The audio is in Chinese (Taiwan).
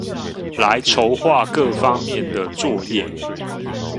來籌畫各方面的作業